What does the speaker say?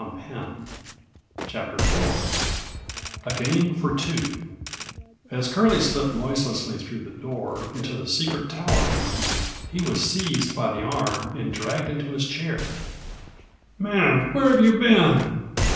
46 CHAPTER IVA GAME FOR TWO As Curlie slipped noiselessly through the door into the secret tower room, he was seized by the arm and dragged into his chair. "Man! where have you been?"